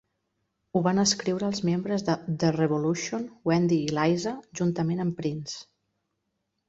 Ho van escriure els membres de The Revolution, Wendy i Lisa, juntament amb Prince.